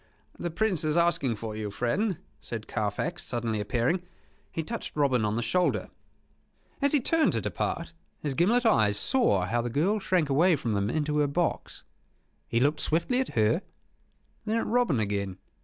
"The Prince is asking for you, friend," said Carfax, suddenly appearing. He touched Robin on the shoulder. As he turned to depart, his gimlet eyes saw how the girl shrank away from them into her box. He looked swiftly at her; then at Robin again.